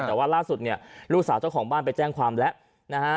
แต่ว่าล่าสุดเนี่ยลูกสาวเจ้าของบ้านไปแจ้งความแล้วนะฮะ